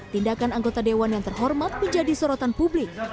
tindakan anggota dewan yang terhormat menjadi sorotan publik